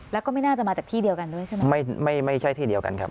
แล้วก็ไม่น่าจะมาจากที่เดียวกันด้วยใช่ไหมไม่ไม่ไม่ใช่ที่เดียวกันครับ